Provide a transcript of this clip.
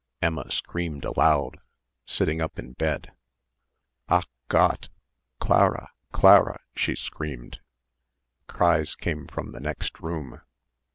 Emma screamed aloud, sitting up in bed. "Ach Gott! Clara! Clara!" she screamed. Cries came from the next room.